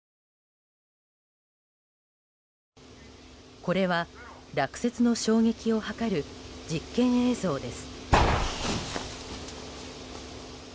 これは落雪の衝撃を計る実験映像です。